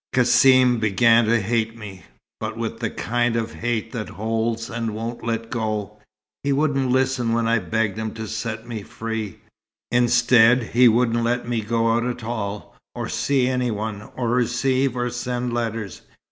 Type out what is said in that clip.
Cassim began to hate me, but with the kind of hate that holds and won't let go. He wouldn't listen when I begged him to set me free. Instead, he wouldn't let me go out at all, or see anyone, or receive or send letters.